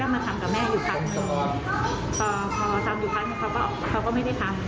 เรียนอะไร